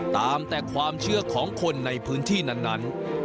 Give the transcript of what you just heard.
ตามแต่ความเชื่อของคนในพื้นที่นั้น